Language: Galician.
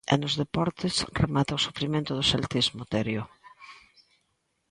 E nos deportes, remata o sufrimento do celtismo, Terio.